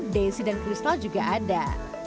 daisy dan crystal juga ada